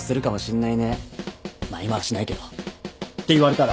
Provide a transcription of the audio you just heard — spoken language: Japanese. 「まあ今はしないけど」って言われたら。